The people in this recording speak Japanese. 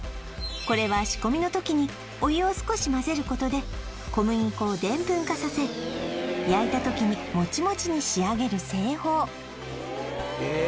これは仕込みの時にお湯を少し混ぜることで小麦粉をデンプン化させ焼いた時にもちもちに仕上げる製法へえ